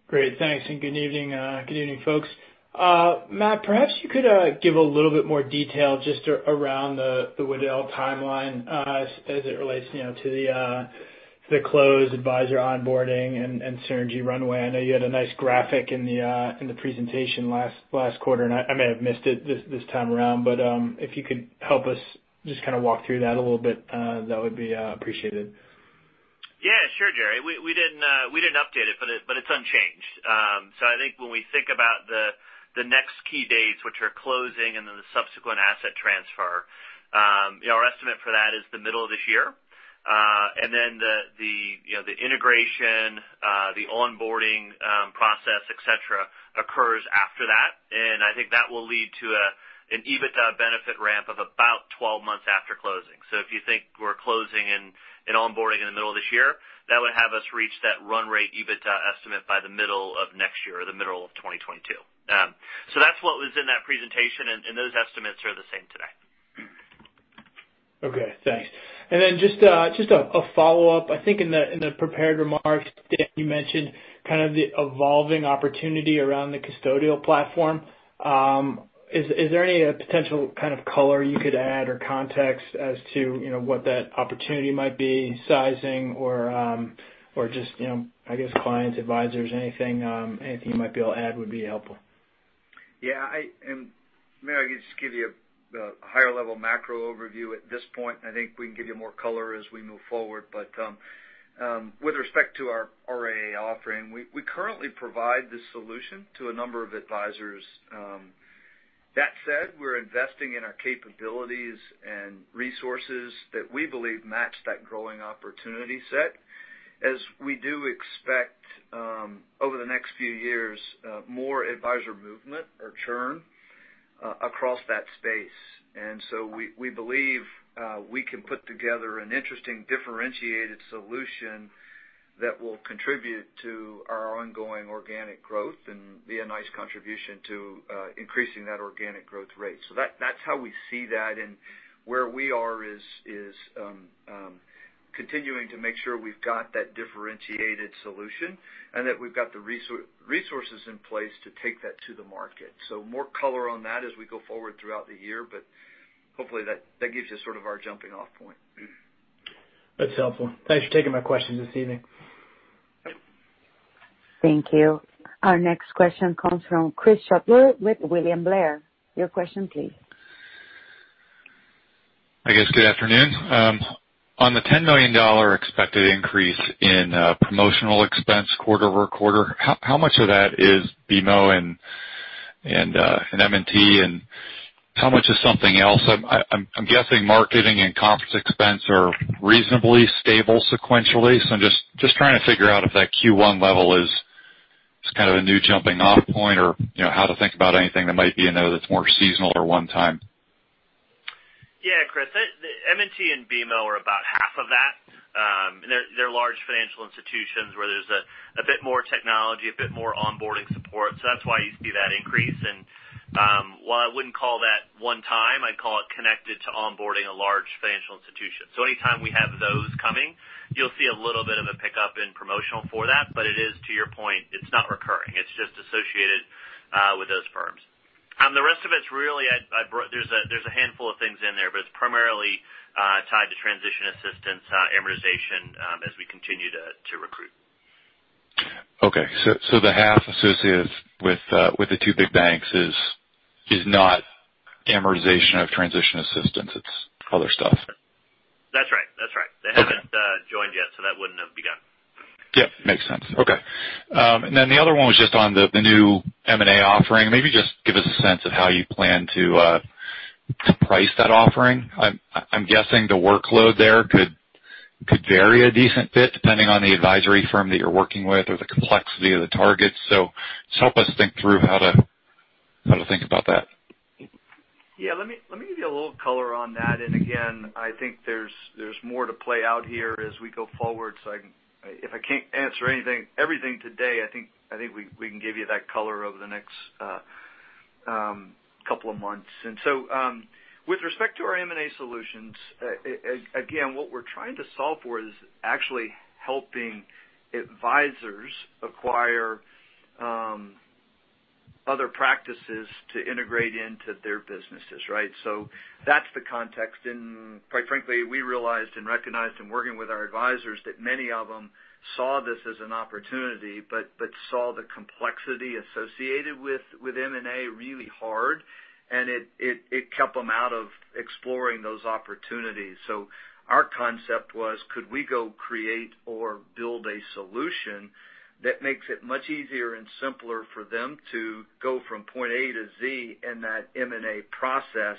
[SPEAKER 11] Great. Thanks. And good evening, folks. Matt, perhaps you could give a little bit more detail just around the Waddell timeline as it relates to the close, advisor onboarding, and synergy runway. I know you had a nice graphic in the presentation last quarter. And I may have missed it this time around. But if you could help us just kind of walk through that a little bit, that would be appreciated.
[SPEAKER 3] Yeah. Sure, Gerry. We didn't update it, but it's unchanged. So I think when we think about the next key dates, which are closing and then the subsequent asset transfer, our estimate for that is the middle of this year. And then the integration, the onboarding process, etc., occurs after that. And I think that will lead to an EBITDA benefit ramp of about 12 months after closing. So if you think we're closing and onboarding in the middle of this year, that would have us reach that run rate EBITDA estimate by the middle of next year or the middle of 2022. So that's what was in that presentation. And those estimates are the same today.
[SPEAKER 11] Okay. Thanks. And then just a follow-up. I think in the prepared remarks, Dan, you mentioned kind of the evolving opportunity around the custodial platform. Is there any potential kind of color you could add or context as to what that opportunity might be, sizing, or just, I guess, clients, advisors, anything you might be able to add would be helpful?
[SPEAKER 2] Yeah. Maybe I could just give you a higher-level macro overview at this point. I think we can give you more color as we move forward. But with respect to our RIA offering, we currently provide this solution to a number of advisors. That said, we're investing in our capabilities and resources that we believe match that growing opportunity set. As we do expect over the next few years, more advisor movement or churn across that space. And so we believe we can put together an interesting differentiated solution that will contribute to our ongoing organic growth and be a nice contribution to increasing that organic growth rate. So that's how we see that. And where we are is continuing to make sure we've got that differentiated solution and that we've got the resources in place to take that to the market. So more color on that as we go forward throughout the year. But hopefully, that gives you sort of our jumping-off point.
[SPEAKER 11] That's helpful. Thanks for taking my questions this evening.
[SPEAKER 1] Thank you. Our next question comes from Chris Shutler with William Blair. Your question, please.
[SPEAKER 12] I guess good afternoon. On the $10 million expected increase in promotional expense quarter-over-quarter, how much of that is BMO and M&T and how much is something else? I'm guessing marketing and conference expense are reasonably stable sequentially. So I'm just trying to figure out if that Q1 level is kind of a new jumping-off point or how to think about anything that might be in there that's more seasonal or one-time.
[SPEAKER 3] Yeah, Chris. M&T and BMO are about half of that. They're large financial institutions where there's a bit more technology, a bit more onboarding support. So that's why you see that increase. And while I wouldn't call that one-time, I'd call it connected to onboarding a large financial institution. So anytime we have those coming, you'll see a little bit of a pickup in promotional for that. But it is, to your point, it's not recurring. It's just associated with those firms. The rest of it's really. There's a handful of things in there, but it's primarily tied to transition assistance, amortization as we continue to recruit.
[SPEAKER 12] Okay. So the half associated with the two big banks is not amortization of transition assistance. It's other stuff.
[SPEAKER 3] That's right. That's right. They haven't joined yet, so that wouldn't have begun.
[SPEAKER 12] Yep. Makes sense. Okay. And then the other one was just on the new M&A offering. Maybe just give us a sense of how you plan to price that offering. I'm guessing the workload there could vary a decent bit depending on the advisory firm that you're working with or the complexity of the targets. So just help us think through how to think about that.
[SPEAKER 2] Yeah. Let me give you a little color on that. And again, I think there's more to play out here as we go forward. So if I can't answer everything today, I think we can give you that color over the next couple of months. And so with respect to our M&A Solutions, again, what we're trying to solve for is actually helping advisors acquire other practices to integrate into their businesses, right? So that's the context. And quite frankly, we realized and recognized in working with our advisors that many of them saw this as an opportunity but saw the complexity associated with M&A really hard. And it kept them out of exploring those opportunities. Our concept was, could we go create or build a solution that makes it much easier and simpler for them to go from point A to Z in that M&A process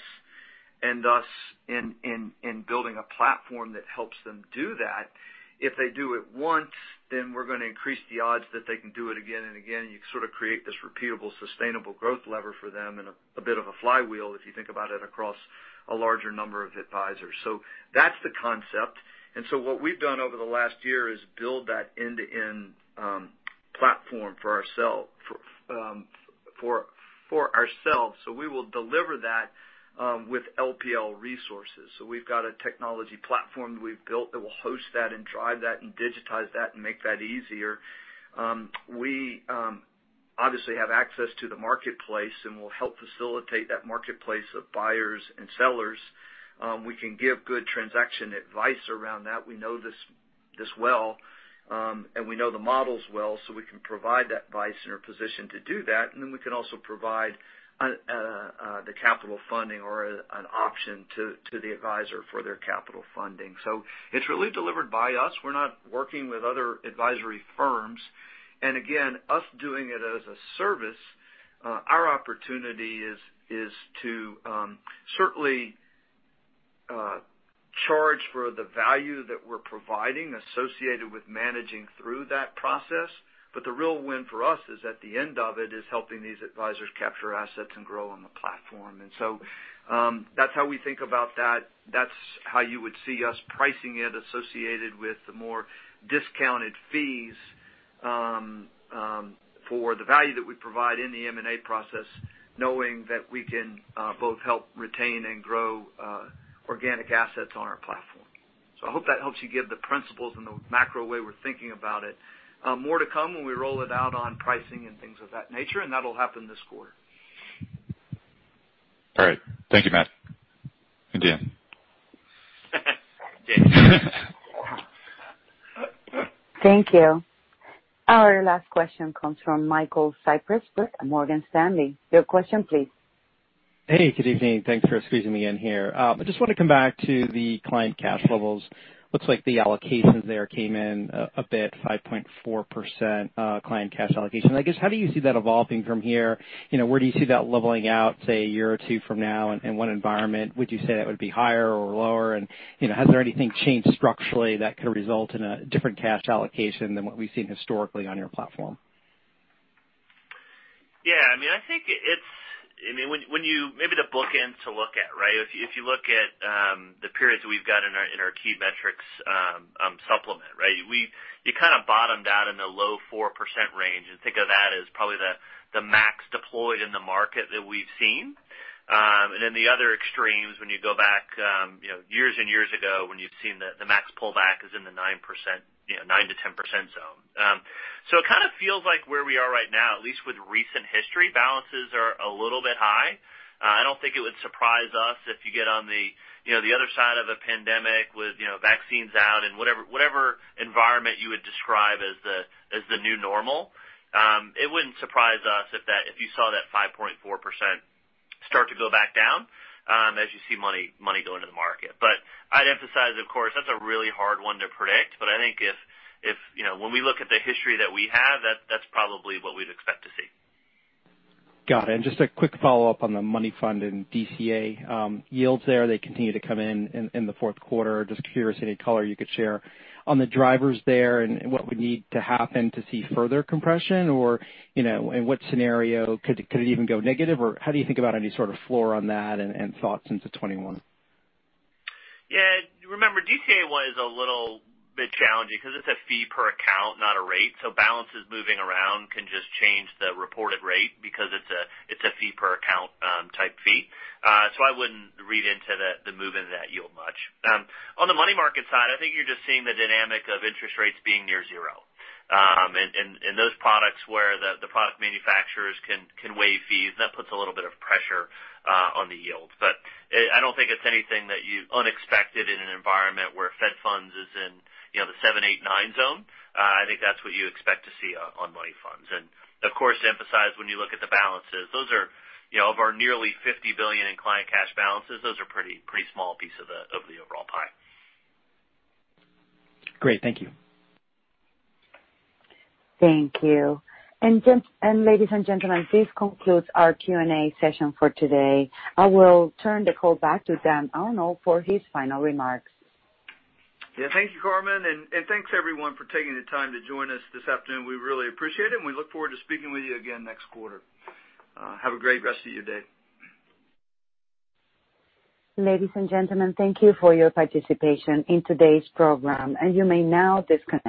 [SPEAKER 2] and thus in building a platform that helps them do that? If they do it once, then we're going to increase the odds that they can do it again and again. You sort of create this repeatable sustainable growth lever for them and a bit of a flywheel if you think about it across a larger number of advisors. So that's the concept. And so what we've done over the last year is build that end-to-end platform for ourselves. So we will deliver that with LPL resources. So we've got a technology platform that we've built that will host that and drive that and digitize that and make that easier. We obviously have access to the marketplace and will help facilitate that marketplace of buyers and sellers. We can give good transaction advice around that. We know this well. And we know the models well. So we can provide that advice in our position to do that. And then we can also provide the capital funding or an option to the advisor for their capital funding. So it's really delivered by us. We're not working with other advisory firms. And again, us doing it as a service, our opportunity is to certainly charge for the value that we're providing associated with managing through that process. But the real win for us is at the end of it is helping these advisors capture assets and grow on the platform. And so that's how we think about that. That's how you would see us pricing it associated with the more discounted fees for the value that we provide in the M&A process, knowing that we can both help retain and grow organic assets on our platform. So I hope that helps you get the principles and the macro way we're thinking about it. More to come when we roll it out on pricing and things of that nature. And that'll happen this quarter.
[SPEAKER 12] All right. Thank you, Matt. And Dan.
[SPEAKER 1] Thank you. Our last question comes from Michael Cyprys with Morgan Stanley. Your question, please.
[SPEAKER 13] Hey, good evening. Thanks for squeezing me in here. I just want to come back to the client cash levels. Looks like the allocations there came in a bit, 5.4% client cash allocation. I guess how do you see that evolving from here? Where do you see that leveling out, say, a year or two from now? In what environment would you say that would be higher or lower? And has there anything changed structurally that could result in a different cash allocation than what we've seen historically on your platform?
[SPEAKER 3] Yeah. I mean, I think it's, I mean, maybe the bookend to look at, right? If you look at the periods that we've got in our key metrics supplement, right, you kind of bottomed out in the low 4% range, and think of that as probably the max deployed in the market that we've seen, and then the other extremes, when you go back years and years ago, when you've seen the max pullback is in the 9%-10% zone, so it kind of feels like where we are right now, at least with recent history, balances are a little bit high. I don't think it would surprise us if you get on the other side of a pandemic with vaccines out and whatever environment you would describe as the new normal. It wouldn't surprise us if you saw that 5.4% start to go back down as you see money go into the market. But I'd emphasize, of course, that's a really hard one to predict. But I think if when we look at the history that we have, that's probably what we'd expect to see.
[SPEAKER 13] Got it. And just a quick follow-up on the money fund and DCA yields there. They continue to come in in the fourth quarter. Just curious any color you could share on the drivers there and what would need to happen to see further compression or in what scenario could it even go negative? Or how do you think about any sort of floor on that and thoughts into 2021?
[SPEAKER 3] Yeah. Remember, DCA was a little bit challenging because it's a fee per account, not a rate. So balances moving around can just change the reported rate because it's a fee per account-type fee. So I wouldn't read into the moving of that yield much. On the money market side, I think you're just seeing the dynamic of interest rates being near zero. And those products where the product manufacturers can waive fees, that puts a little bit of pressure on the yield. But I don't think it's anything unexpected in an environment where Fed funds is in the seven, eight, nine zone. I think that's what you expect to see on money funds. And of course, remember when you look at the balances, those are of our nearly $50 billion in client cash balances, those are a pretty small piece of the overall pie.
[SPEAKER 13] Great. Thank you.
[SPEAKER 1] Thank you, and ladies and gentlemen, this concludes our Q&A session for today. I will turn the call back to Dan Arnold for his final remarks.
[SPEAKER 2] Yeah. Thank you, Carmen. And thanks, everyone, for taking the time to join us this afternoon. We really appreciate it. And we look forward to speaking with you again next quarter. Have a great rest of your day.
[SPEAKER 1] Ladies and gentlemen, thank you for your participation in today's program. And you may now disconnect.